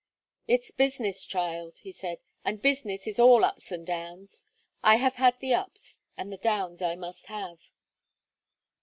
"It's business, child," he said, "and business is all ups and downs; I have had the ups, and the downs I must have."